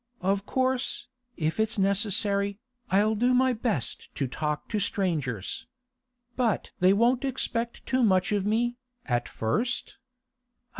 Of course, if it's necessary, I'll do my best to talk to strangers. But they won't expect too much of me, at first?